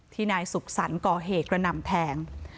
ที่นายศุกษัณฐ์ก่อเหกระนำแทง